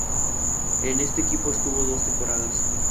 En este equipo estuvo dos temporadas.